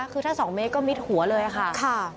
คือถ้า๒เมตรก็มิดหัวเลยค่ะ